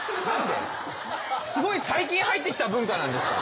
すごい最近入ってきた文化なんですか？